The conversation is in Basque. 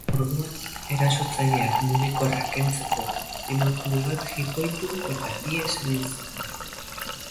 Orduan erasotzaileak mugikorra kentzeko emakume bat jipoitu eta ihes egin zuen.